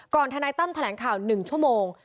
ทนายตั้มแถลงข่าว๑ชั่วโมง